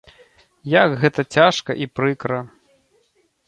Як гэта цяжка і прыкра!